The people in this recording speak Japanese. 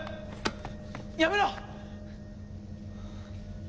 やめろ！